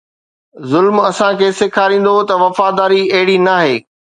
ظلم اسان کي سيکاريندو ته وفاداري اهڙي ناهي